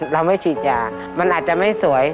เราไม่ฉีดยามันอาจจะไม่สวย